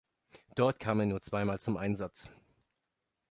Dort kam er nur zweimal zum Einsatz.